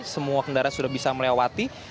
semua kendaraan sudah bisa melewati